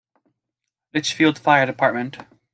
Litchfield Fire Dept.